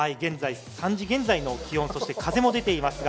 ３時現在の気温、風も出ています。